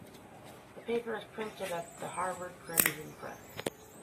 The paper is printed at "The Harvard Crimson" press.